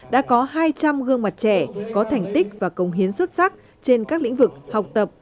đã có hai trăm linh gương mặt trẻ có thành tích và công hiến xuất sắc trên các lĩnh vực học tập